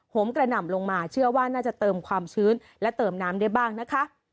มกระหน่ำลงมาเชื่อว่าน่าจะเติมความชื้นและเติมน้ำได้บ้างนะคะ